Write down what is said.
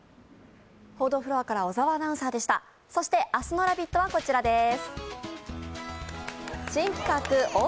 そして明日の「ラヴィット！」はこちらでです。